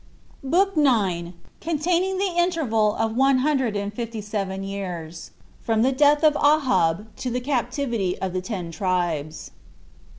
] BOOK IX. Containing The Interval Of One Hundred And Fifty Seven Years.From The Death Of Ahab To The Captivity Of The Ten Tribes.